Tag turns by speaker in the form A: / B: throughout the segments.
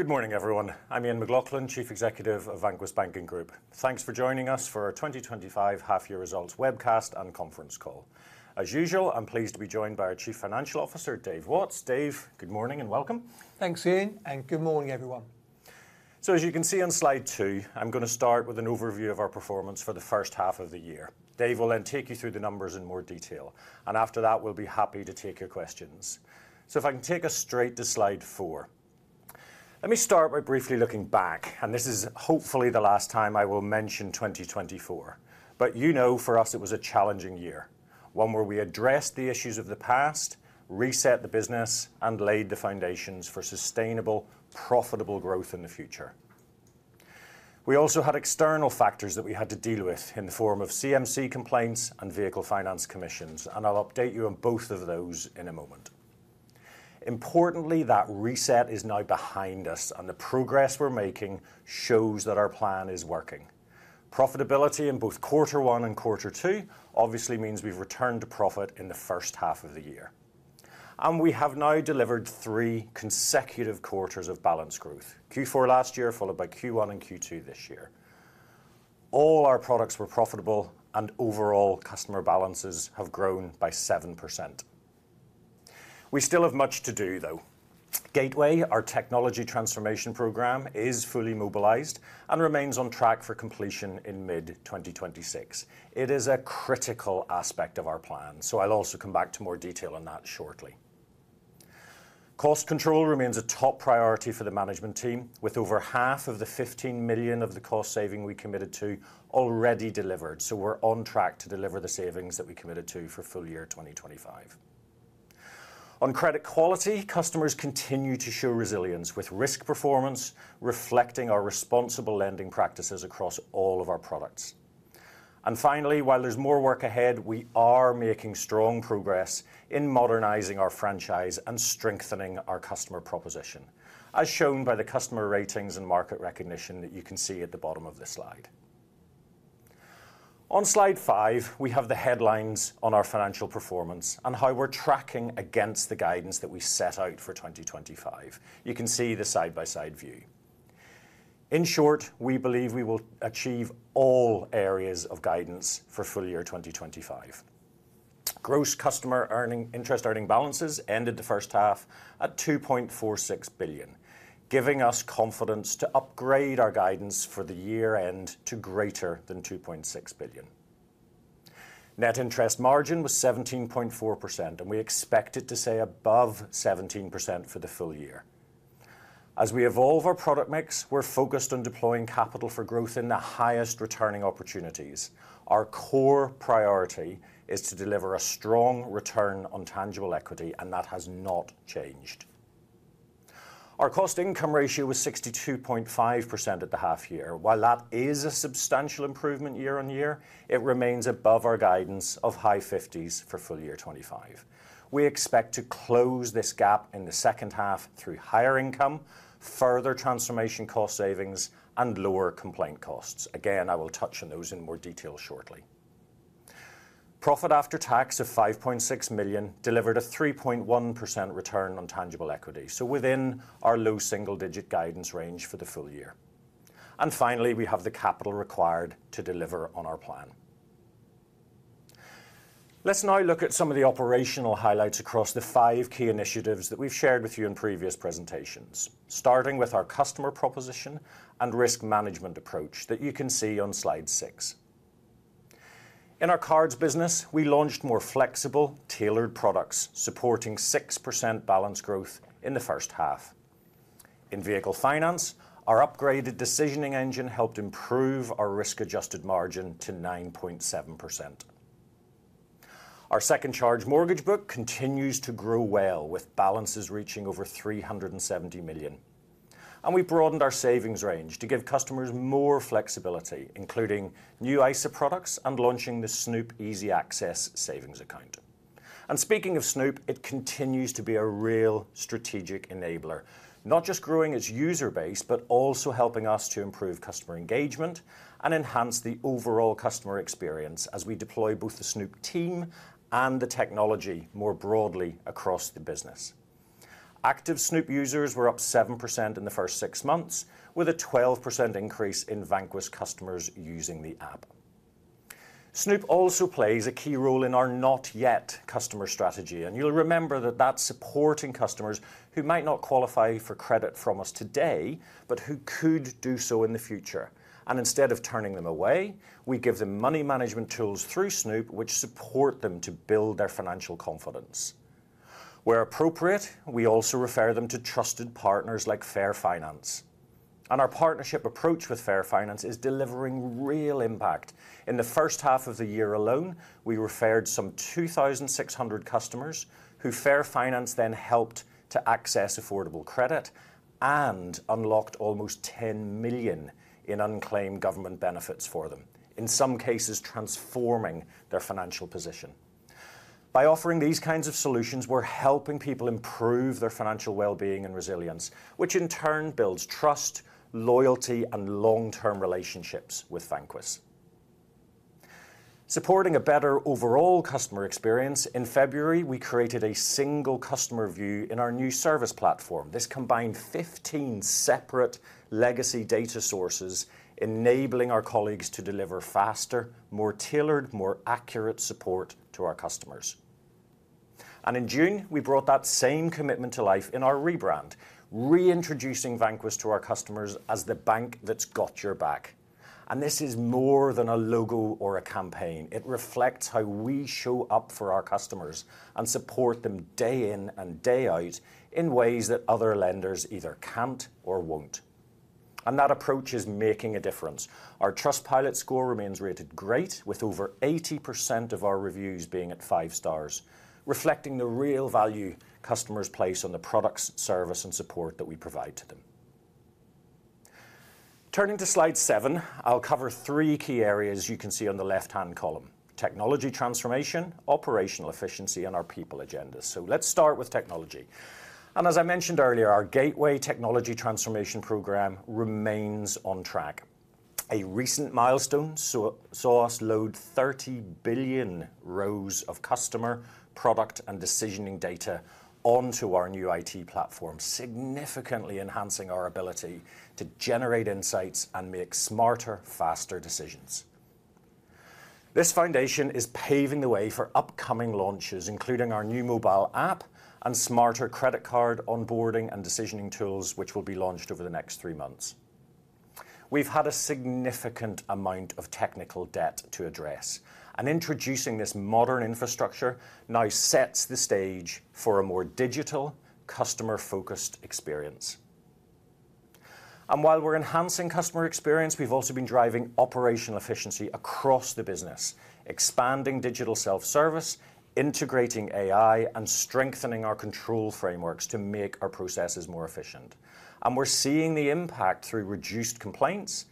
A: Good morning, everyone. I'm Ian McLaughlin, Chief Executive of Vanquis Banking Group. Thanks for joining us for our 2025 half-year results webcast and conference call. As usual, I'm pleased to be joined by our Chief Financial Officer, Dave Watts. Dave, good morning and welcome.
B: Thanks, Ian, and good morning, everyone.
A: As you can see on slide two, I'm going to start with an overview of our performance for the first half of the year. Dave will then take you through the numbers in more detail, and after that, we'll be happy to take your questions. If I can take us straight to slide four. Let me start by briefly looking back, and this is hopefully the last time I will mention 2024. For us, it was a challenging year, one where we addressed the issues of the past, reset the business, and laid the foundations for sustainable, profitable growth in the future. We also had external factors that we had to deal with in the form of CMC complaints and vehicle finance commissions, and I'll update you on both of those in a moment. Importantly, that reset is now behind us, and the progress we're making shows that our plan is working. Profitability in both quarter one and quarter two obviously means we've returned to profit in the first half of the year. We have now delivered three consecutive quarters of balanced growth: Q4 last year, followed by Q1 and Q2 this year. All our products were profitable, and overall customer balances have grown by 7%. We still have much to do. Gateway, our technology transformation programme, is fully mobilized and remains on track for completion in mid-2026. It is a critical aspect of our plan, so I'll also come back to more detail on that shortly. Cost control remains a top priority for the management team, with over half of the 15 million of the cost saving we committed to already delivered, so we're on track to deliver the savings that we committed to for full year 2025. On credit quality, customers continue to show resilience with risk performance, reflecting our responsible lending practices across all of our products. Finally, while there's more work ahead, we are making strong progress in modernizing our franchise and strengthening our customer proposition, as shown by the customer ratings and market recognition that you can see at the bottom of the slide. On slide five, we have the headlines on our financial performance and how we're tracking against the guidance that we set out for 2025. You can see the side-by-side view. In short, we believe we will achieve all areas of guidance for full year 2025. Gross customer interest-earning balances ended the first half at 2.46 billion, giving us confidence to upgrade our guidance for the year end to greater than 2.6 billion. Net interest margin was 17.4%, and we expect it to stay above 17% for the full year. As we evolve our product mix, we're focused on deploying capital for growth in the highest returning opportunities. Our core priority is to deliver a strong return on tangible equity, and that has not changed. Our cost-to-income ratio was 62.5% at the half year. While that is a substantial improvement year on year, it remains above our guidance of high 50s for full year 2025. We expect to close this gap in the second half through higher income, further transformation cost savings, and lower complaint costs. I will touch on those in more detail shortly. Profit after tax of 5.6 million delivered a 3.1% return on tangible equity, so within our low single-digit guidance range for the full year. Finally, we have the capital required to deliver on our plan. Let's now look at some of the operational highlights across the five key initiatives that we've shared with you in previous presentations, starting with our customer proposition and risk management approach that you can see on slide six. In our cards business, we launched more flexible, tailored products, supporting 6% balance growth in the first half. In vehicle finance, our upgraded decisioning engine helped improve our risk-adjusted margin to 9.7%. Our second charge mortgage book continues to grow well, with balances reaching over 370 million. We broadened our savings range to give customers more flexibility, including new ISA products and launching the Snoop Easy Access Savings Account. Speaking of Snoop, it continues to be a real strategic enabler, not just growing its user base, but also helping us to improve customer engagement and enhance the overall customer experience as we deploy both the Snoop team and the technology more broadly across the business. Active Snoop users were up 7% in the first six months, with a 12% increase in Vanquis customers using the app. Snoop also plays a key role in our not-yet customer strategy, and you'll remember that that's supporting customers who might not qualify for credit from us today, but who could do so in the future. Instead of turning them away, we give them money management tools through Snoop, which support them to build their financial confidence. Where appropriate, we also refer them to trusted partners like Fair Finance. Our partnership approach with Fair Finance is delivering real impact. In the first half of the year alone, we referred some 2,600 customers who Fair Finance then helped to access affordable credit and unlocked almost 10 million in unclaimed government benefits for them, in some cases transforming their financial position. By offering these kinds of solutions, we're helping people improve their financial wellbeing and resilience, which in turn builds trust, loyalty, and long-term relationships with Vanquis. Supporting a better overall customer experience, in February, we created a single customer view in our new service platform. This combined 15 separate legacy data sources, enabling our colleagues to deliver faster, more tailored, more accurate support to our customers. In June, we brought that same commitment to life in our rebrand, reintroducing Vanquis to our customers as the bank that's got your back. This is more than a logo or a campaign. It reflects how we show up for our customers and support them day in and day out in ways that other lenders either can't or won't. That approach is making a difference. Our Trustpilot score remains rated great, with over 80% of our reviews being at five stars, reflecting the real value customers place on the products, service, and support that we provide to them. Turning to slide seven, I'll cover three key areas you can see on the left-hand column: technology transformation, operational efficiency, and our people agenda. Let's start with technology. As I mentioned earlier, our Gateway technology transformation programme remains on track. A recent milestone saw us load 30 billion rows of customer product and decisioning data onto our new IT platform, significantly enhancing our ability to generate insights and make smarter, faster decisions. This foundation is paving the way for upcoming launches, including our new mobile app and smarter credit card onboarding and decisioning tools, which will be launched over the next three months. We've had a significant amount of technical debt to address, and introducing this modern infrastructure now sets the stage for a more digital, customer-focused experience. While we're enhancing customer experience, we've also been driving operational efficiency across the business, expanding digital self-service, integrating AI, and strengthening our control frameworks to make our processes more efficient. We're seeing the impact through reduced complaints,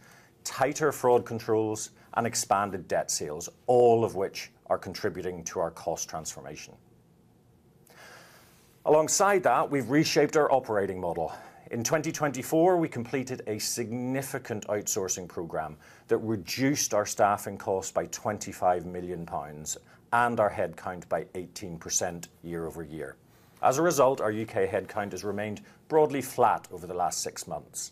A: tighter fraud controls, and expanded debt sales, all of which are contributing to our cost transformation. Alongside that, we've reshaped our operating model. In 2024, we completed a significant outsourcing program that reduced our staffing costs by 25 million pounds and our headcount by 18% year-over-year. As a result, our U.K. headcount has remained broadly flat over the last six months.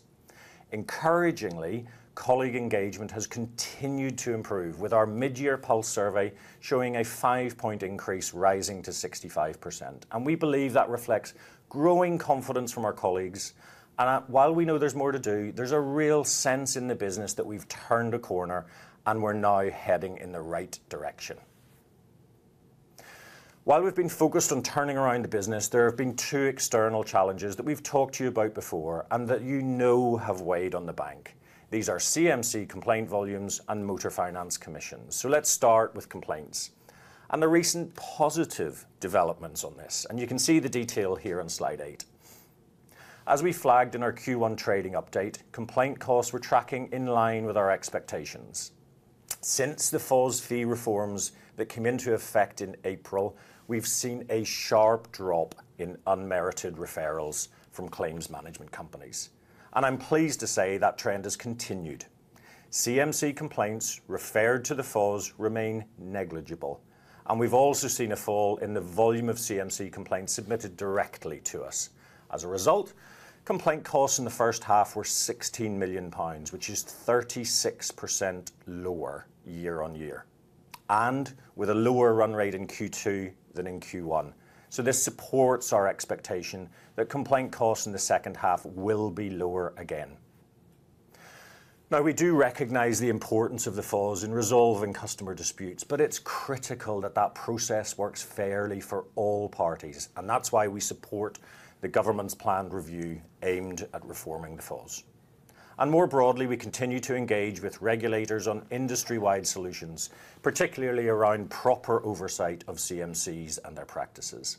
A: Encouragingly, colleague engagement has continued to improve, with our mid-year pulse survey showing a five-point increase, rising to 65%. We believe that reflects growing confidence from our colleagues. While we know there's more to do, there's a real sense in the business that we've turned a corner and we're now heading in the right direction. While we've been focused on turning around the business, there have been two external challenges that we've talked to you about before and that you know have weighed on the bank. These are CMC complaint volumes and motor finance commissions. Let's start with complaints and the recent positive developments on this. You can see the detail here on slide eight. As we flagged in our Q1 trading update, complaint costs were tracking in line with our expectations. Since the FOS fee reforms that came into effect in April, we've seen a sharp drop in unmerited referrals from claims management companies. I'm pleased to say that trend has continued. CMC complaints referred to the FOS remain negligible. We've also seen a fall in the volume of CMC complaints submitted directly to us. As a result, complaint costs in the first half were 16 million pounds, which is 36% lower year on year, and with a lower run rate in Q2 than in Q1. This supports our expectation that complaint costs in the second half will be lower again. We recognize the importance of the FOS in resolving customer disputes, but it's critical that process works fairly for all parties. That's why we support the government's planned review aimed at reforming the FOS. More broadly, we continue to engage with regulators on industry-wide solutions, particularly around proper oversight of CMCs and their practices.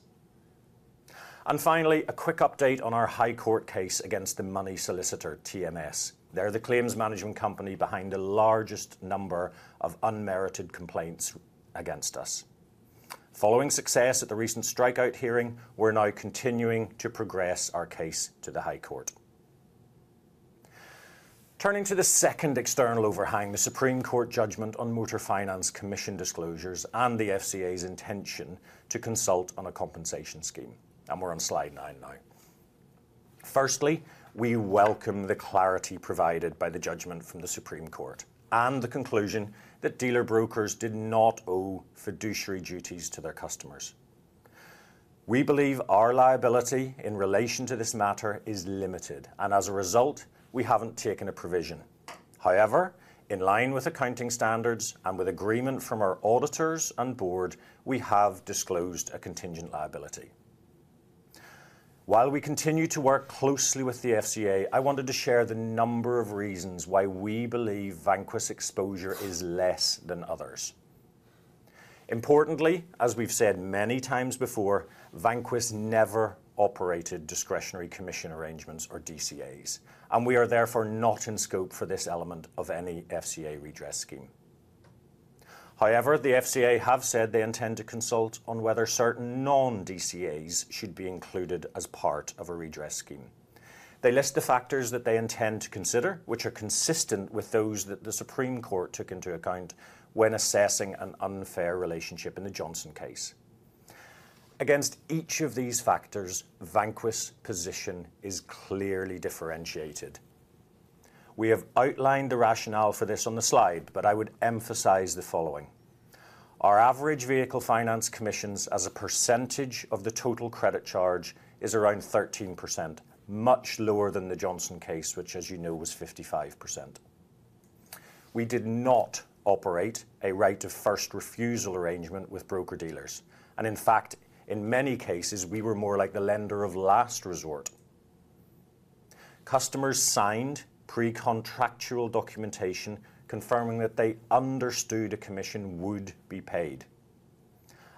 A: Finally, a quick update on our High Court case against the Money Solicitor TMS. They're the claims management company behind the largest number of unmerited complaints against us. Following success at the recent strikeout hearing, we're now continuing to progress our case to the High Court. Turning to the second external overhang, the Supreme Court judgment on motor finance commission disclosures and the FCA's intention to consult on a compensation scheme. We're on slide nine now. Firstly, we welcome the clarity provided by the judgment from the Supreme Court and the conclusion that dealer brokers did not owe fiduciary duties to their customers. We believe our liability in relation to this matter is limited, and as a result, we haven't taken a provision. However, in line with accounting standards and with agreement from our auditors and board, we have disclosed a contingent liability. While we continue to work closely with the FCA, I wanted to share the number of reasons why we believe Vanquis exposure is less than others. Importantly, as we've said many times before, Vanquis never operated discretionary commission arrangements or DCAs, and we are therefore not in scope for this element of any FCA redress scheme. However, the FCA have said they intend to consult on whether certain non-DCAs should be included as part of a redress scheme. They list the factors that they intend to consider, which are consistent with those that the Supreme Court took into account when assessing an unfair relationship in the Johnson case. Against each of these factors, Vanquis' position is clearly differentiated. We have outlined the rationale for this on the slide, but I would emphasize the following. Our average vehicle finance commissions as a percentage of the total credit charge is around 13%, much lower than the Johnson case, which, as you know, was 55%. We did not operate a right-of-first refusal arrangement with broker-dealers, and in fact, in many cases, we were more like the lender of last resort. Customers signed pre-contractual documentation confirming that they understood a commission would be paid.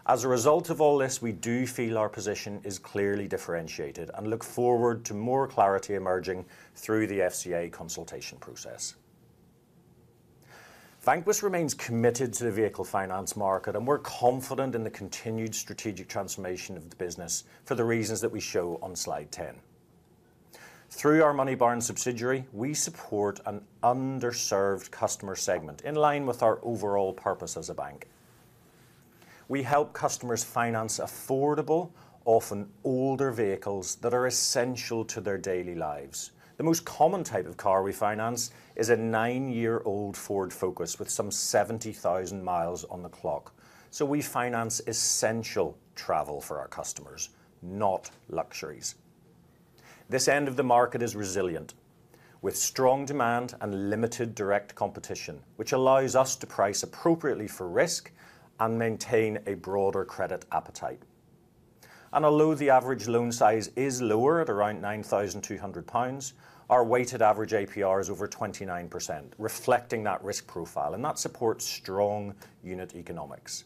A: As a result of all this, we do feel our position is clearly differentiated and look forward to more clarity emerging through the FCA consultation process. Vanquis remains committed to the vehicle finance market, and we're confident in the continued strategic transformation of the business for the reasons that we show on slide 10. Through our Moneybarn subsidiary, we support an underserved customer segment in line with our overall purpose as a bank. We help customers finance affordable, often older vehicles that are essential to their daily lives. The most common type of car we finance is a nine-year-old Ford Focus with some 70,000 miles on the clock. We finance essential travel for our customers, not luxuries. This end of the market is resilient, with strong demand and limited direct competition, which allows us to price appropriately for risk and maintain a broader credit appetite. Although the average loan size is lower at around 9 pounds, 200, our weighted average APR is over 29%, reflecting that risk profile, and that supports strong unit economics.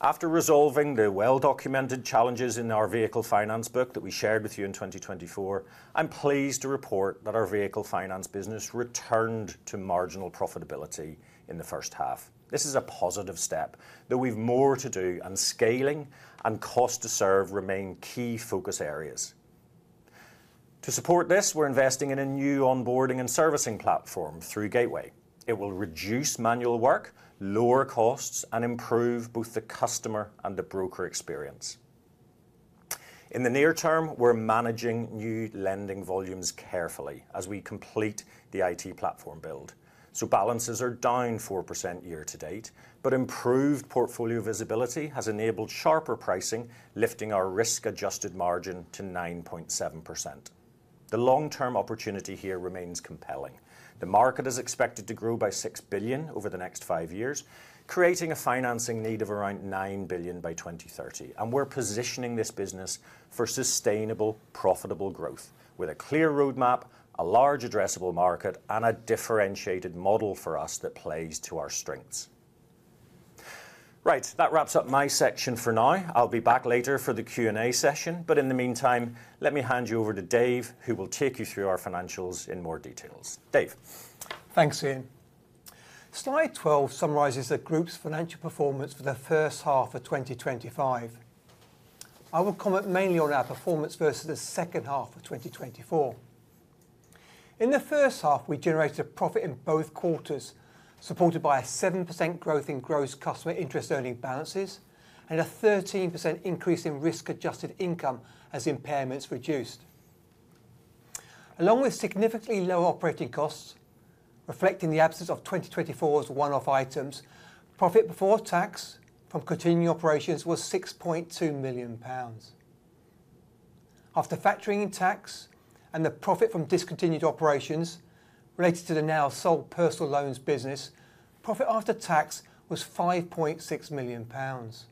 A: After resolving the well-documented challenges in our vehicle finance book that we shared with you in 2024, I'm pleased to report that our vehicle finance business returned to marginal profitability in the first half. This is a positive step, though we've more to do, and scaling and cost to serve remain key focus areas. To support this, we're investing in a new onboarding and servicing platform through Gateway. It will reduce manual work, lower costs, and improve both the customer and the broker experience. In the near term, we're managing new lending volumes carefully as we complete the IT platform build. Balances are down 4% year to date, but improved portfolio visibility has enabled sharper pricing, lifting our risk-adjusted margin to 9.7%. The long-term opportunity here remains compelling. The market is expected to grow by 6 billion over the next five years, creating a financing need of around 9 billion by 2030. We're positioning this business for sustainable, profitable growth with a clear roadmap, a large addressable market, and a differentiated model for us that plays to our strengths. That wraps up my section for now. I'll be back later for the Q&A session, but in the meantime, let me hand you over to Dave, who will take you through our financials in more detail. Dave.
B: Thanks, Ian. Slide 12 summarizes the group's financial performance for the first half of 2025. I will comment mainly on our performance versus the second half of 2024. In the first half, we generated a profit in both quarters, supported by a 7% growth in gross customer interest-earning balances and a 13% increase in risk-adjusted income as impairments reduced. Along with significantly lower operating costs, reflecting the absence of 2024's one-off items, profit before tax from continuing operations was 6.2 million pounds. After factoring in tax and the profit from discontinued operations related to the now sold personal loans business, profit after tax was 5.6 million pounds.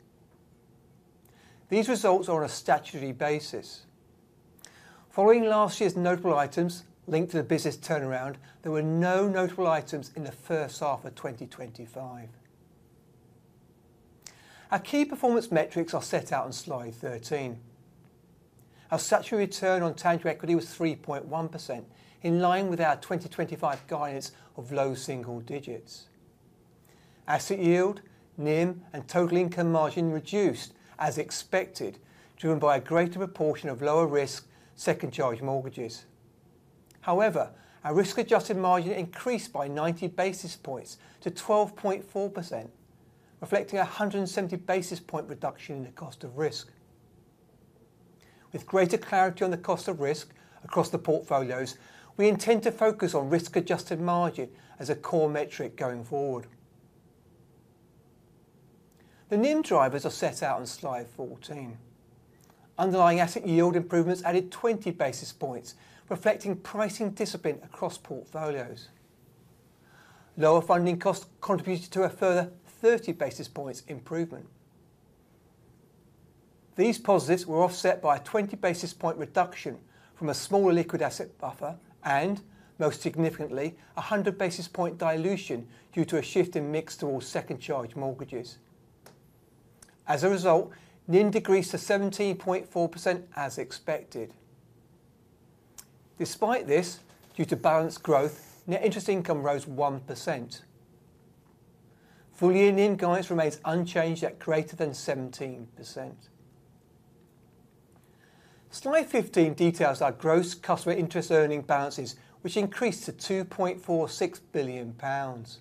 B: These results are on a statutory basis. Following last year's notable items linked to the business turnaround, there were no notable items in the first half of 2025. Our key performance metrics are set out on slide 13. Our statutory return on tangible equity was 3.1%, in line with our 2025 guidance of low single digits. Asset yield, NIM, and total income margin reduced as expected, driven by a greater proportion of lower-risk second charge mortgages. However, our risk-adjusted margin increased by 90 basis points to 12.4%, reflecting a 170 basis point reduction in the cost of risk. With greater clarity on the cost of risk across the portfolios, we intend to focus on risk-adjusted margin as a core metric going forward. The NIM drivers are set out on slide 14. Underlying asset yield improvements added 20 basis points, reflecting pricing discipline across portfolios. Lower funding costs contributed to a further 30 basis points improvement. These positives were offset by a 20 basis point reduction from a smaller liquid asset buffer and, most significantly, a 100 basis point dilution due to a shift in mix toward second charge mortgages. As a result, NIM decreased to 17.4% as expected. Despite this, due to balanced growth, net interest income rose 1%. Full year NIM guidance remains unchanged at greater than 17%. Slide 15 details our gross customer interest-earning balances, which increased to 2.46 billion pounds.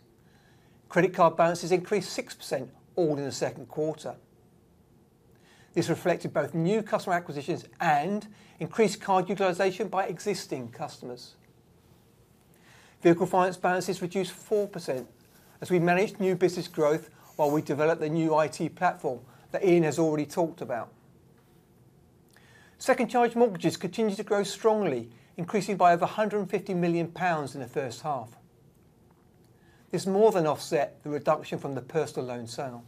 B: Credit card balances increased 6% all in the second quarter. This reflected both new customer acquisitions and increased card utilization by existing customers. Vehicle finance balances reduced 4% as we managed new business growth while we developed the new IT platform that Ian has already talked about. Second charge mortgages continue to grow strongly, increasing by over 150 million pounds in the first half. This more than offset the reduction from the personal loan sale.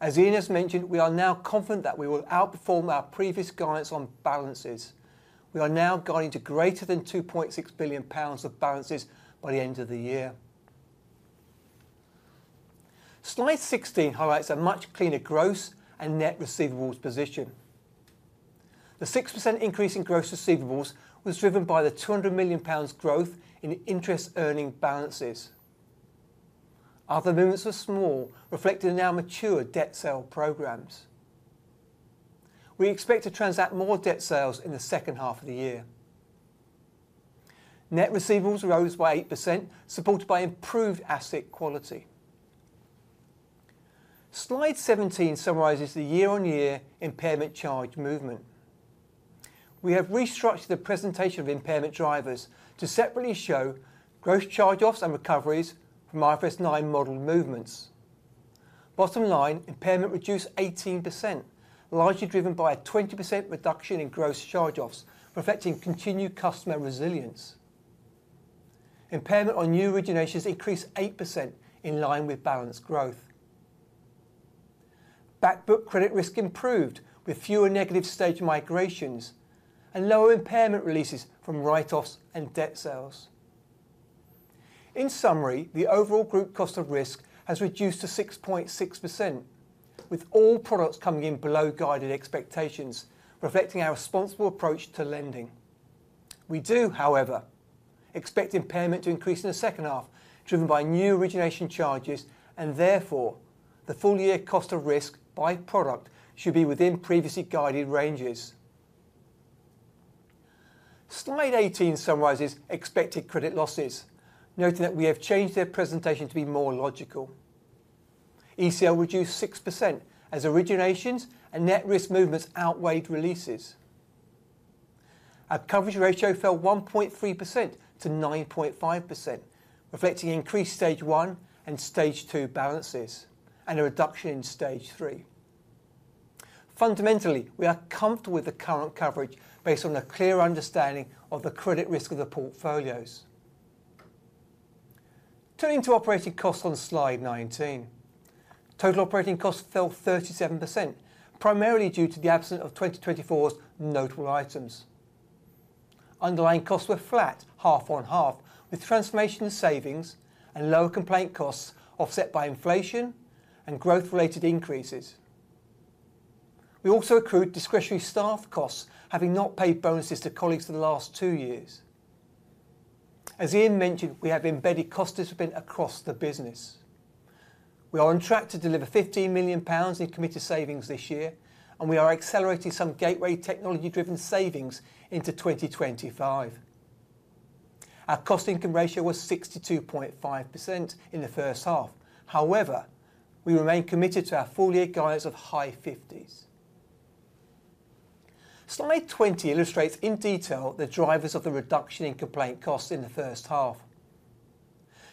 B: As Ian has mentioned, we are now confident that we will outperform our previous guidance on balances. We are now guiding to greater than 2.6 billion pounds of balances by the end of the year. Slide 16 highlights a much cleaner gross and net receivables position. The 6% increase in gross receivables was driven by the 200 million pounds growth in interest-earning balances. Other movements were small, reflecting our mature debt sale programs. We expect to transact more debt sales in the second half of the year. Net receivables rose by 8%, supported by improved asset quality. Slide 17 summarizes the year on year impairment charge movement. We have restructured the presentation of impairment drivers to separately show gross charge-offs and recoveries from our first nine model movements. Bottom line, impairment reduced 18%, largely driven by a 20% reduction in gross charge-offs, reflecting continued customer resilience. Impairment on new originations increased 8% in line with balance growth. Backbook credit risk improved with fewer negative stage migrations and lower impairment releases from write-offs and debt sales. In summary, the overall group cost of risk has reduced to 6.6%, with all products coming in below guided expectations, reflecting our responsible approach to lending. We do, however, expect impairment to increase in the second half, driven by new origination charges, and therefore the full year cost of risk by product should be within previously guided ranges. Slide 18 summarizes expected credit losses, noting that we have changed their presentation to be more logical. ECL reduced 6% as originations and net risk movements outweighed releases. Our coverage ratio fell 1.3%-9.5%, reflecting increased stage one and stage two balances and a reduction in stage three. Fundamentally, we are comfortable with the current coverage based on a clear understanding of the credit risk of the portfolios. Turning to operating costs on slide 19, total operating costs fell 37%, primarily due to the absence of 2024's notable items. Underlying costs were flat, half on half, with transformation savings and lower complaint costs offset by inflation and growth-related increases. We also accrued discretionary staff costs, having not paid bonuses to colleagues for the last two years. As Ian mentioned, we have embedded cost discipline across the business. We are on track to deliver 15 million pounds in committed savings this year, and we are accelerating some Gateway technology-driven savings into 2025. Our cost income ratio was 62.5% in the first half. However, we remain committed to our full year guidance of high 50s. Slide 20 illustrates in detail the drivers of the reduction in complaint costs in the first half.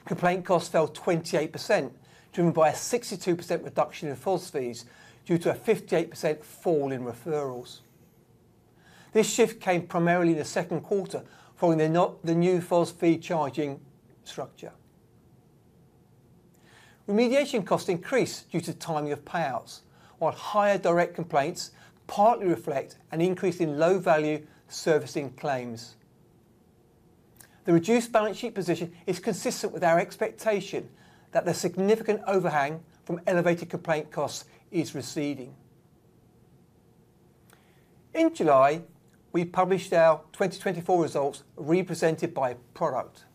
B: Complaint costs fell 28%, driven by a 62% reduction in FOS fees due to a 58% fall in referrals. This shift came primarily in the second quarter following the new FOS fee charging structure. Remediation costs increased due to timing of payouts, while higher direct complaints partly reflect an increase in low-value servicing claims. The reduced balance sheet position is consistent with our expectation that the significant overhang from elevated complaint costs is receding. In July, we published our 2024 results represented by product.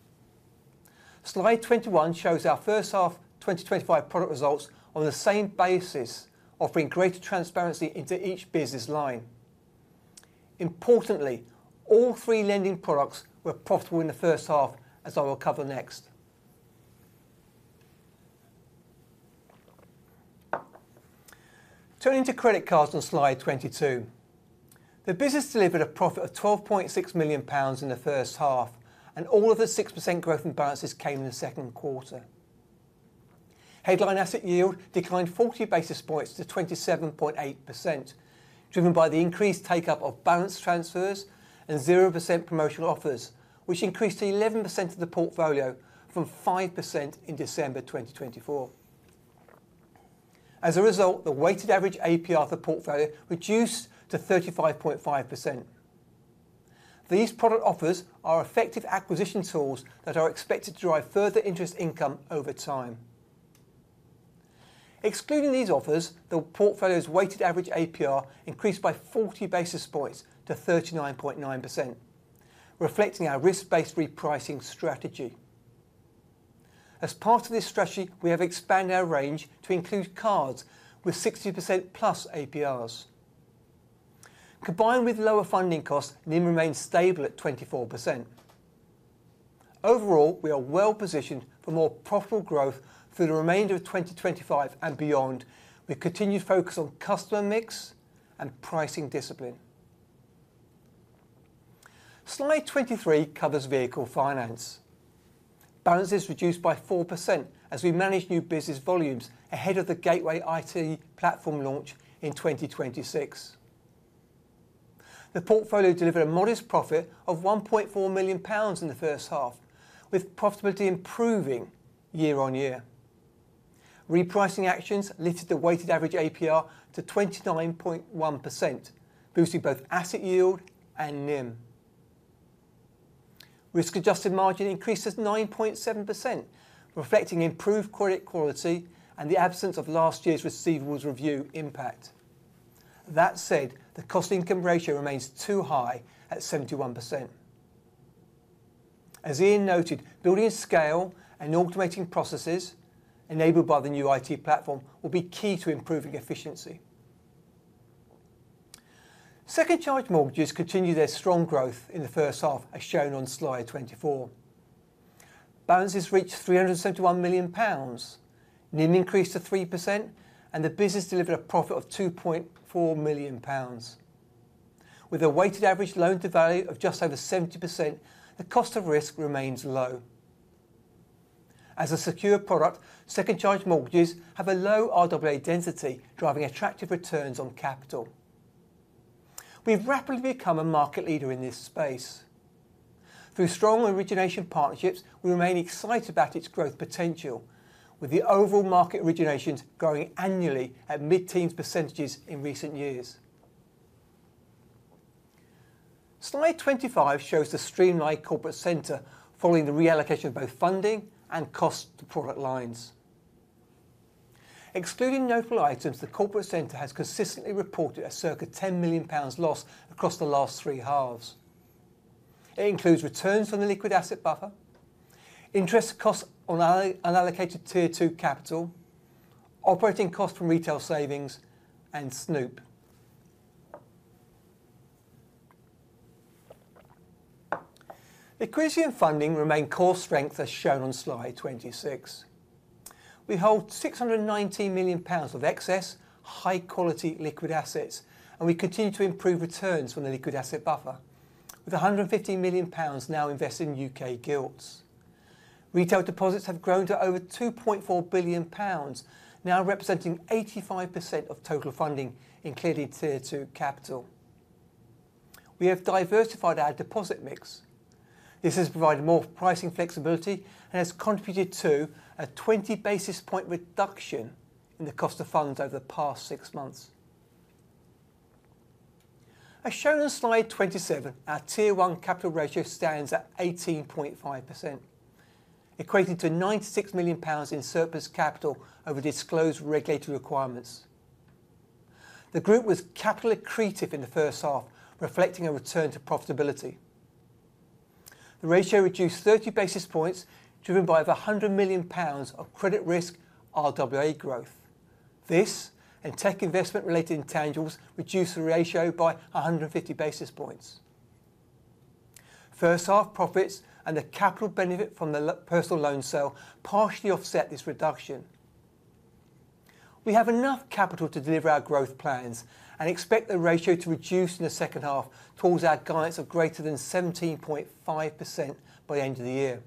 B: Slide 21 shows our first half 2025 product results on the same basis, offering greater transparency into each business line. Importantly, all three lending products were profitable in the first half, as I will cover next. Turning to credit cards on slide 22, the business delivered a profit of 12.6 million pounds in the first half, and all of the 6% growth in balances came in the second quarter. Headline asset yield declined 40 basis points to 27.8%, driven by the increased take-up of balance transfers and 0% promotional offers, which increased to 11% of the portfolio from 5% in December 2024. As a result, the weighted average APR for the portfolio reduced to 35.5%. These product offers are effective acquisition tools that are expected to drive further interest income over time. Excluding these offers, the portfolio's weighted average APR increased by 40 basis points to 39.9%, reflecting our risk-based repricing strategy. As part of this strategy, we have expanded our range to include cards with 60%+ APRs. Combined with lower funding costs, net interest margin remains stable at 24%. Overall, we are well positioned for more profitable growth through the remainder of 2025 and beyond, with continued focus on customer mix and pricing discipline. Slide 23 covers vehicle finance. Balances reduced by 4% as we manage new business volumes ahead of the Gateway IT platform launch in 2026. The portfolio delivered a modest profit of 1.4 million pounds in the first half, with profitability improving year on year. Repricing actions lifted the weighted average APR to 29.1%, boosting both asset yield and NIM. Risk-adjusted margin increased to 9.7%, reflecting improved credit quality and the absence of last year's receivables review impact. That said, the cost income ratio remains too high at 71%. As Ian noted, building scale and automating processes enabled by the new IT platform will be key to improving efficiency. Second charge mortgages continue their strong growth in the first half, as shown on slide 24. Balance has reached 371 million pounds, NIM increased to 3%, and the business delivered a profit of 2.4 million pounds. With a weighted average loan-to-value of just over 70%, the cost of risk remains low. As a secure product, second charge mortgages have a low RWA density, driving attractive returns on capital. We've rapidly become a market leader in this space. Through strong origination partnerships, we remain excited about its growth potential, with the overall market originations growing annually at mid-teens percentages in recent years. Slide 25 shows the streamlined Corporate Centre following the reallocation of both funding and cost to product lines. Excluding notable items, the Corporate Centre has consistently reported a circa 10 million pounds loss across the last three halves. It includes returns from the liquid asset buffer, interest costs on unallocated tier two capital, operating costs from Retail Savings and Snoop. Equity and funding remain core strengths, as shown on slide 26. We hold 619 million pounds of excess high-quality liquid assets, and we continue to improve returns from the liquid asset buffer, with 150 million pounds now invested in U.K. gilts. Retail deposits have grown to over 2.4 billion pounds, now representing 85% of total funding including tier two capital. We have diversified our deposit mix. This has provided more pricing flexibility and has contributed to a 20 basis point reduction in the cost of funds over the past six months. As shown on slide 27, our tier one capital ratio stands at 18.5%, equating to 96 million pounds in surplus capital over disclosed regulatory requirements. The group was capital accretive in the first half, reflecting a return to profitability. The ratio reduced 30 basis points, driven by over 100 million pounds of credit risk RWA growth. This and tech investment-related intangibles reduced the ratio by 150 basis points. First half profits and the capital benefit from the personal loan sale partially offset this reduction. We have enough capital to deliver our growth plans and expect the ratio to reduce in the second half towards our guidance of greater than 17.5% by the end of the year.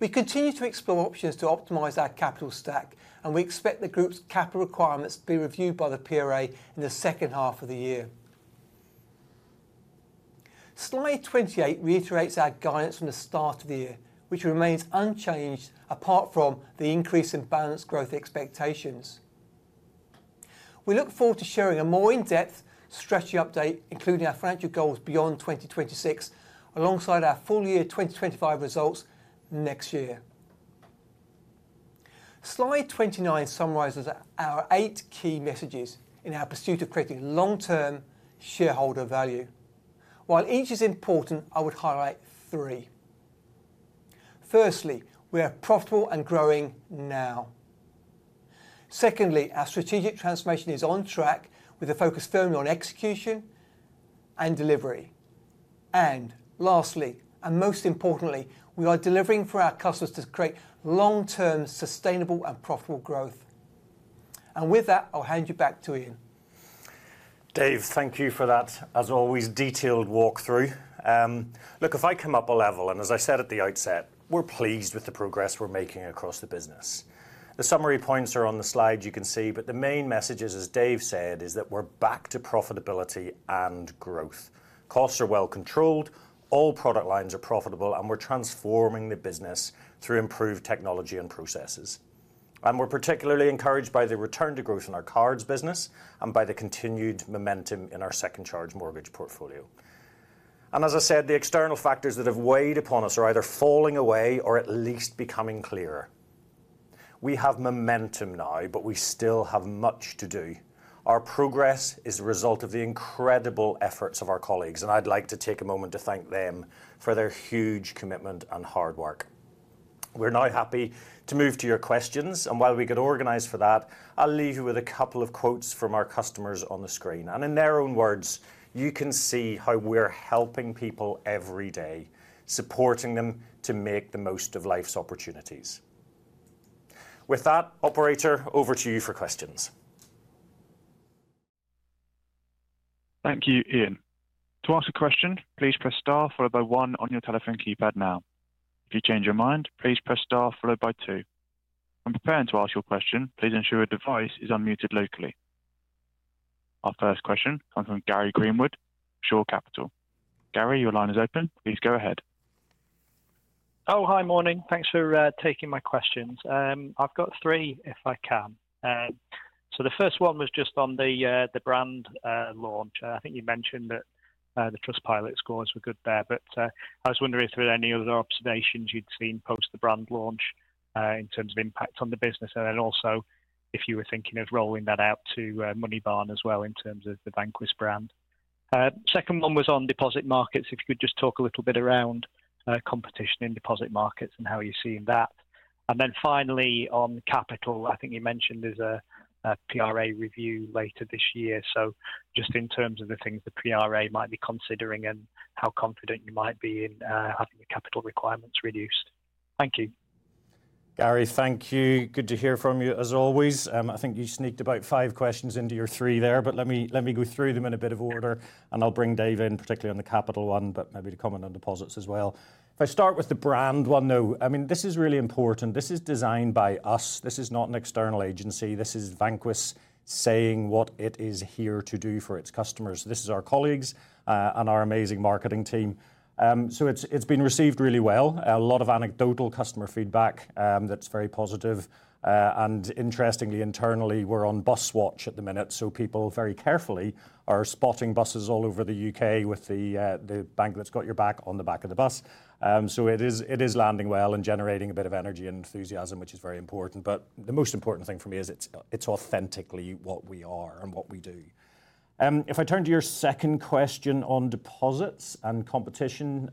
B: We continue to explore options to optimize our capital stack, and we expect the group's capital requirements to be reviewed by the PRA in the second half of the year. Slide 28 reiterates our guidance from the start of the year, which remains unchanged apart from the increase in balance growth expectations. We look forward to sharing a more in-depth strategy update, including our financial goals beyond 2026, alongside our full year 2025 results next year. Slide 29 summarizes our eight key messages in our pursuit of creating long-term shareholder value. While each is important, I would highlight three. Firstly, we are profitable and growing now. Secondly, our strategic transformation is on track with a focus firmly on execution and delivery. Lastly, and most importantly, we are delivering for our customers to create long-term sustainable and profitable growth. With that, I'll hand you back to Ian.
A: Dave, thank you for that, as always, detailed walkthrough. If I come up a level, and as I said at the outset, we're pleased with the progress we're making across the business. The summary points are on the slide, you can see, but the main messages, as Dave said, are that we're back to profitability and growth. Costs are well controlled, all product lines are profitable, and we're transforming the business through improved technology and processes. We're particularly encouraged by the return to growth in our cards business and by the continued momentum in our second charge mortgage portfolio. As I said, the external factors that have weighed upon us are either falling away or at least becoming clearer. We have momentum now, but we still have much to do. Our progress is a result of the incredible efforts of our colleagues, and I'd like to take a moment to thank them for their huge commitment and hard work. We're now happy to move to your questions, and while we can organize for that, I'll leave you with a couple of quotes from our customers on the screen. In their own words, you can see how we're helping people every day, supporting them to make the most of life's opportunities. With that, operator, over to you for questions.
C: Thank you, Ian. To ask a question, please press star followed by one on your telephone keypad now. If you change your mind, please press star followed by two. When preparing to ask your question, please ensure your device is unmuted locally. Our first question comes from Gary Greenwood, Shore Capital. Gary, your line is open. Please go ahead.
D: Oh, hi, morning. Thanks for taking my questions. I've got three if I can. The first one was just on the brand launch. I think you mentioned that the Trustpilot scores were good there, but I was wondering if there were any other observations you'd seen post the brand launch in terms of impact on the business, and if you were thinking of rolling that out to Moneybarn as well in terms of the Vanquis brand. The second one was on deposit markets. If you could just talk a little bit around competition in deposit markets and how you're seeing that. Finally, on capital, I think you mentioned there's a PRA review later this year. In terms of the things the PRA might be considering and how confident you might be in having the capital requirements reduced. Thank you.
A: Gary, thank you. Good to hear from you, as always. I think you sneaked about five questions into your three there, but let me go through them in a bit of order, and I'll bring Dave in, particularly on the capital one, but maybe to comment on deposits as well. If I start with the brand one though, I mean, this is really important. This is designed by us. This is not an external agency. This is Vanquis saying what it is here to do for its customers. This is our colleagues and our amazing marketing team. It's been received really well. A lot of anecdotal customer feedback that's very positive. Interestingly, internally, we're on bus watch at the minute, so people very carefully are spotting buses all over the U.K. with the bank that's got your back on the back of the bus. It is landing well and generating a bit of energy and enthusiasm, which is very important. The most important thing for me is it's authentically what we are and what we do. If I turn to your second question on deposits and competition,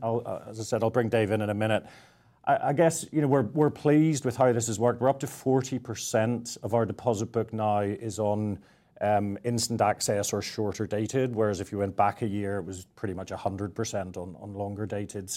A: as I said, I'll bring Dave in in a minute. I guess, you know, we're pleased with how this has worked. We're up to 40% of our deposit book now is on instant access or shorter dated, whereas if you went back a year, it was pretty much 100% on longer dated.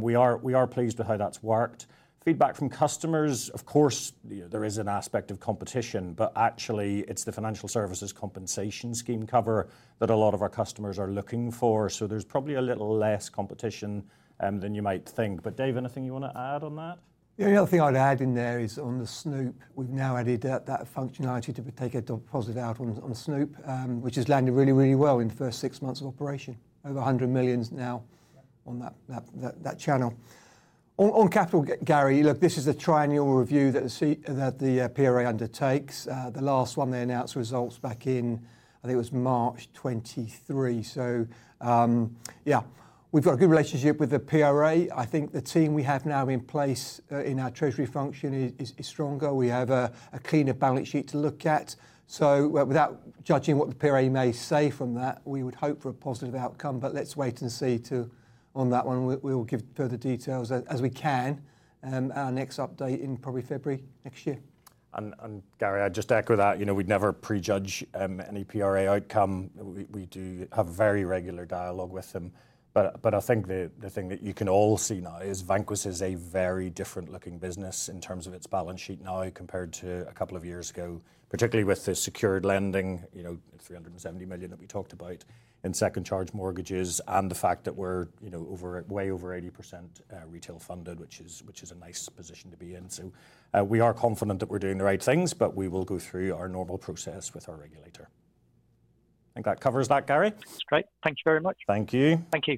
A: We are pleased with how that's worked. Feedback from customers, of course, there is an aspect of competition, but actually, it's the Financial Services Compensation Scheme cover that a lot of our customers are looking for. There's probably a little less competition than you might think. Dave, anything you want to add on that?
B: Yeah, the other thing I'd add in there is on the Snoop, we've now added that functionality to take a deposit out on Snoop, which has landed really, really well in the first six months of operation. Over 100 million now on that channel. On capital, Gary, look, this is a triennial review that the PRA undertakes. The last one they announced results back in, I think it was March 2023. We've got a good relationship with the PRA. I think the team we have now in place in our Treasury function is stronger. We have a cleaner balance sheet to look at. Without judging what the PRA may say from that, we would hope for a positive outcome, but let's wait and see on that one. We will give further details as we can. Our next update in probably February next year.
A: Gary, I'd just echo that, you know, we'd never prejudge any PRA outcome. We do have very regular dialogue with them. I think the thing that you can all see now is Vanquis is a very different looking business in terms of its balance sheet now compared to a couple of years ago, particularly with the secured lending, 370 million that we talked about in second charge mortgages and the fact that we're way over 80% retail funded, which is a nice position to be in. We are confident that we're doing the right things, but we will go through our normal process with our regulator. I think that covers that, Gary.
D: Great, thank you very much.
A: Thank you.
B: Thank you.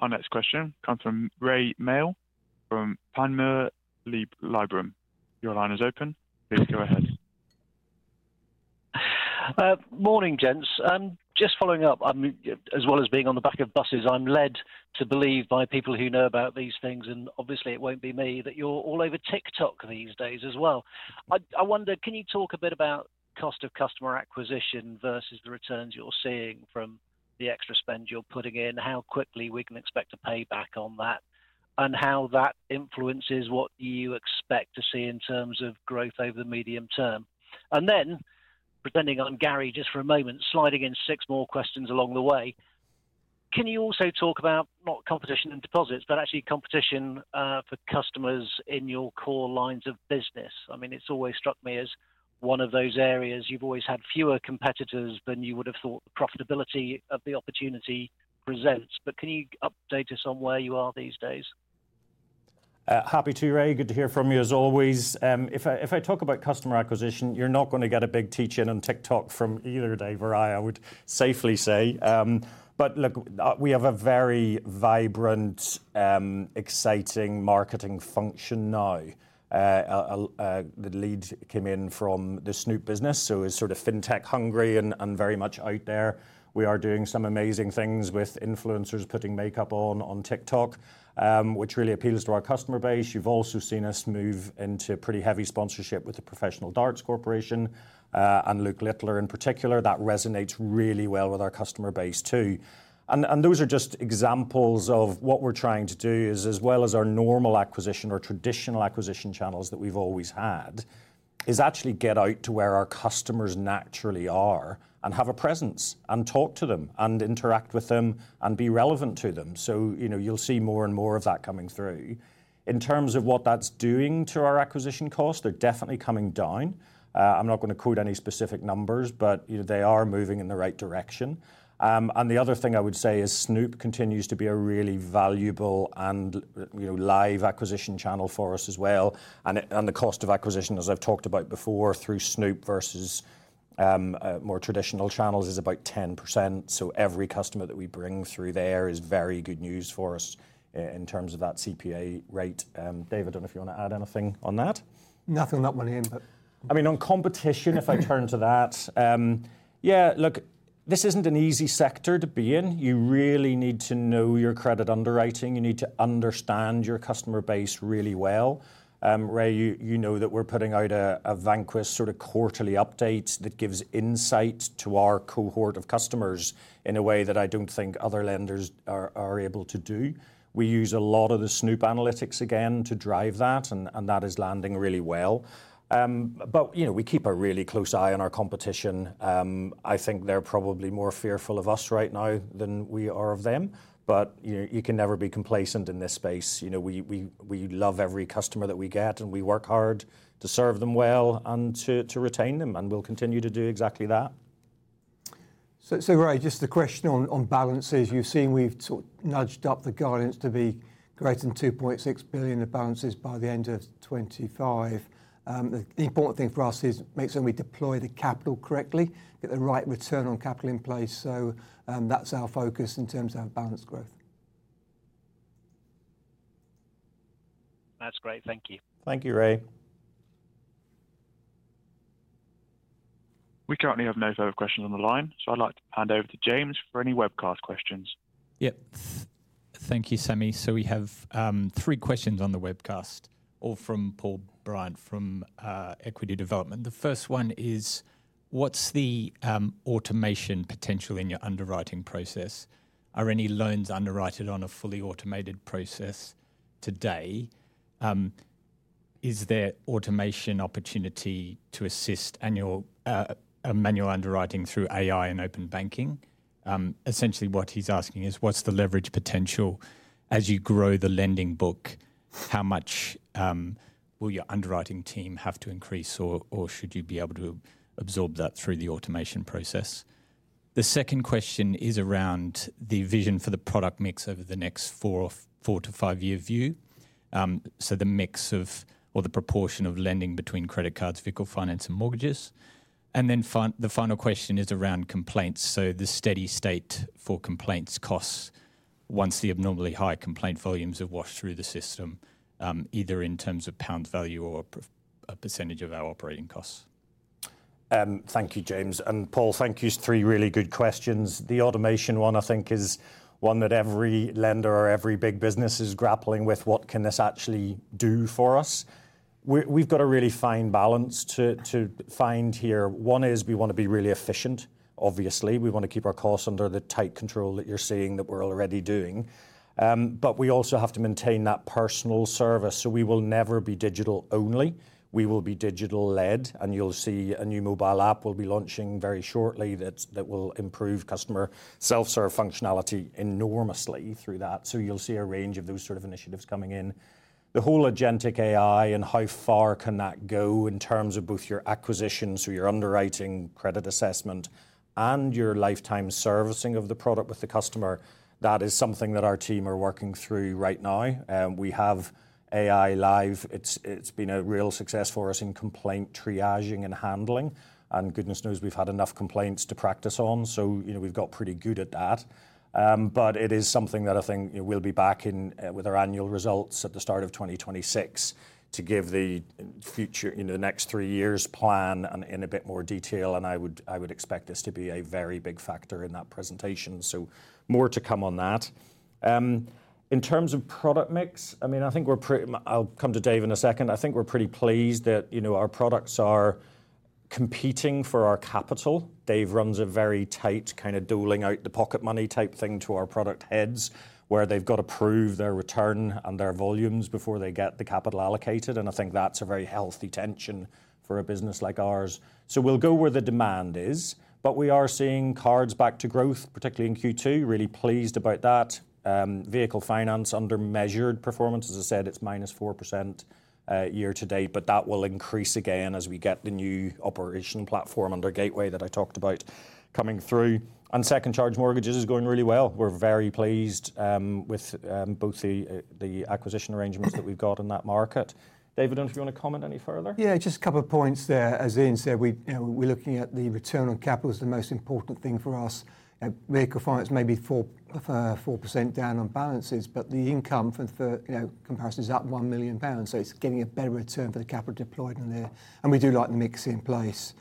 C: Our next question comes from Rae Maile from Panmure Liberum. Your line is open. Please go ahead.
E: Morning, [gents]. Just following up, as well as being on the back of buses, I'm led to believe by people who know about these things, and obviously it won't be me, that you're all over TikTok these days as well. I wonder, can you talk a bit about cost of customer acquisition versus the returns you're seeing from the extra spend you're putting in, how quickly we can expect to pay back on that, and how that influences what you expect to see in terms of growth over the medium term? Pretending I'm Gary just for a moment, sliding in six more questions along the way, can you also talk about not competition in deposits, but actually competition for customers in your core lines of business? I mean, it's always struck me as one of those areas you've always had fewer competitors than you would have thought the profitability of the opportunity presents. Can you update us on where you are these days?
A: Happy to, Rae. Good to hear from you, as always. If I talk about customer acquisition, you're not going to get a big teach-in on TikTok from either Dave or I, I would safely say. Look, we have a very vibrant, exciting marketing function now. The lead came in from the Snoop business, so it's sort of fintech-hungry and very much out there. We are doing some amazing things with influencers putting makeup on TikTok, which really appeals to our customer base. You've also seen us move into pretty heavy sponsorship with the Professional Darts Corporation and Luke Littler in particular. That resonates really well with our customer base too. Those are just examples of what we're trying to do, as well as our normal acquisition or traditional acquisition channels that we've always had, to actually get out to where our customers naturally are and have a presence and talk to them and interact with them and be relevant to them. You'll see more and more of that coming through. In terms of what that's doing to our acquisition costs, they're definitely coming down. I'm not going to quote any specific numbers, but they are moving in the right direction. The other thing I would say is Snoop continues to be a really valuable and live acquisition channel for us as well. The cost of acquisition, as I've talked about before, through Snoop versus more traditional channels is about 10%. Every customer that we bring through there is very good news for us in terms of that CPA rate. Dave, I don't know if you want to add anything on that.
B: Nothing on that one, Ian.
A: I mean, on competition, if I turn to that, yeah, look, this isn't an easy sector to be in. You really need to know your credit underwriting. You need to understand your customer base really well. Rae, you know that we're putting out a Vanquis sort of quarterly update that gives insight to our cohort of customers in a way that I don't think other lenders are able to do. We use a lot of the Snoop analytics again to drive that, and that is landing really well. You know, we keep a really close eye on our competition. I think they're probably more fearful of us right now than we are of them. You can never be complacent in this space. You know, we love every customer that we get, and we work hard to serve them well and to retain them, and we'll continue to do exactly that.
B: Rae, just a question on balances. You've seen we've sort of nudged up the guidance to be greater than 2.6 billion of balances by the end of 2025. The important thing for us is making sure we deploy the capital correctly, get the right return on capital in place. That's our focus in terms of our balance growth.
E: That's great. Thank you.
A: Thank you, Rae.
C: We currently have no further questions on the line, so I'd like to hand over to James for any webcast questions.
F: Thank you, Sami. We have three questions on the webcast, all from Paul Bryant from Equity Development. The first one is, what's the automation potential in your underwriting process? Are any loans underwritten on a fully automated process today? Is there automation opportunity to assist manual underwriting through AI and open banking? Essentially, what he's asking is, what's the leverage potential as you grow the lending book? How much will your underwriting team have to increase, or should you be able to absorb that through the automation process? The second question is around the vision for the product mix over the next four to five-year view, so the mix of, or the proportion of lending between credit cards, vehicle finance, and mortgages. The final question is around complaints, the steady state for complaints costs once the abnormally high complaint volumes have washed through the system, either in terms of pounds value or a percentage of our operating costs.
A: Thank you, James. Paul, thank you for three really good questions. The automation one, I think, is one that every lender or every big business is grappling with. What can this actually do for us? We've got a really fine balance to find here. One is we want to be really efficient, obviously. We want to keep our costs under the tight control that you're seeing that we're already doing. We also have to maintain that personal service. We will never be digital only. We will be digital led, and you'll see a new mobile app we'll be launching very shortly that will improve customer self-serve functionality enormously through that. You'll see a range of those sort of initiatives coming in. The whole Agentic AI and how far can that go in terms of both your acquisition, your underwriting, credit assessment, and your lifetime servicing of the product with the customer, that is something that our team are working through right now. We have AI live. It's been a real success for us in complaint triaging and handling. Goodness knows we've had enough complaints to practice on. We've got pretty good at that. It is something that I think we'll be back in with our annual results at the start of 2026 to give the future, the next three years plan in a bit more detail. I would expect this to be a very big factor in that presentation. More to come on that. In terms of product mix, I think we're pretty, I'll come to Dave in a second. I think we're pretty pleased that our products are competing for our capital. Dave runs a very tight kind of doling out-of-the-pocket money type thing to our product heads, where they've got to prove their return and their volumes before they get the capital allocated. I think that's a very healthy tension for a business like ours. We'll go where the demand is, but we are seeing cards back to growth, particularly in Q2. Really pleased about that. Vehicle finance under measured performance, as I said, it's -4% year to date, but that will increase again as we get the new operation platform under Gateway that I talked about coming through. Second charge mortgages are going really well. We're very pleased with both the acquisition arrangements that we've got in that market. Dave, don't you want to comment any further?
B: Yeah, just a couple of points there. As Ian said, we're looking at the return on capital as the most important thing for us. Vehicle finance may be 4% down on balances, but the income for comparison is up 1 million pounds. It's getting a better return for the capital deployed in there. We do like the mix in place.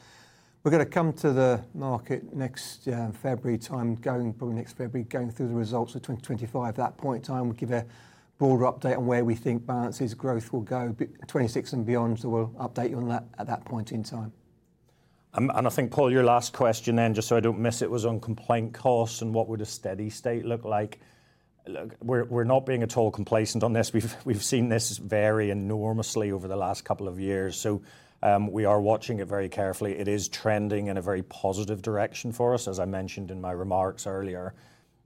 B: We're going to come to the market next February, going through the results of 2025. At that point in time, we'll give a broader update on where we think balances growth will go in 2026 and beyond. We'll update you on that at that point in time.
A: I think, Paul, your last question then, just so I don't miss it, was on complaint costs and what would a steady state look like. We're not being at all complacent on this. We've seen this vary enormously over the last couple of years. We are watching it very carefully. It is trending in a very positive direction for us. As I mentioned in my remarks earlier,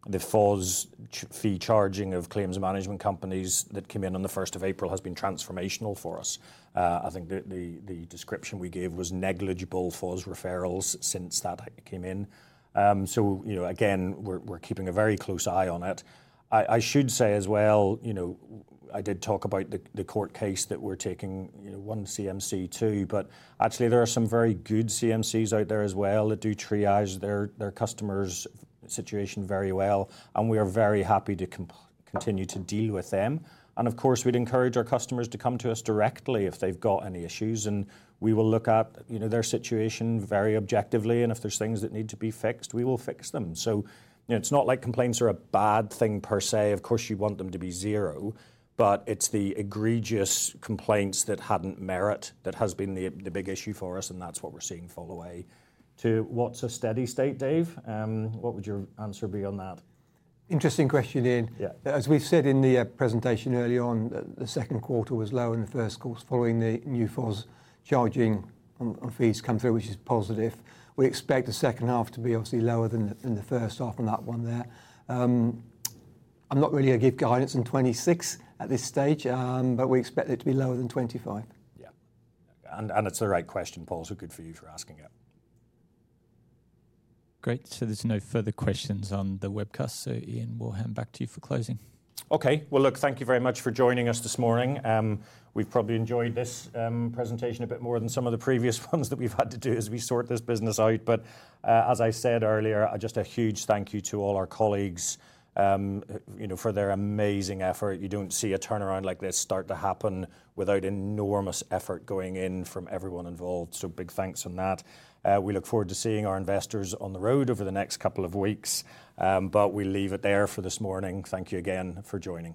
A: the FOS fee charging of claims management companies that came in on the 1st of April has been transformational for us. I think the description we gave was negligible FOS referrals since that came in. We are keeping a very close eye on it. I should say as well, I did talk about the court case that we're taking one CMC to, but actually there are some very good CMCs out there as well that do triage their customers' situation very well. We are very happy to continue to deal with them. Of course, we'd encourage our customers to come to us directly if they've got any issues. We will look at their situation very objectively. If there's things that need to be fixed, we will fix them. It's not like complaints are a bad thing per se. Of course, you want them to be zero, but it's the egregious complaints that hadn't merit that has been the big issue for us. That's what we're seeing fall away. To what's a steady state, Dave? What would your answer be on that?
B: Interesting question, Ian. As we said in the presentation early on, the second quarter was low in the first, of course, following the new FOS charging on fees come through, which is positive. We expect the second half to be obviously lower than the first half on that one there. I'm not really going to give guidance on 2026 at this stage, but we expect it to be lower than 2025.
A: Yeah, it's the right question, Paul. Good for you for asking it.
C: Great. There's no further questions on the webcast. Ian, we'll hand back to you for closing.
A: Okay. Thank you very much for joining us this morning. We've probably enjoyed this presentation a bit more than some of the previous ones that we've had to do as we sort this business out. As I said earlier, just a huge thank you to all our colleagues for their amazing effort. You don't see a turnaround like this start to happen without enormous effort going in from everyone involved. Big thanks for that. We look forward to seeing our investors on the road over the next couple of weeks. We'll leave it there for this morning. Thank you again for joining.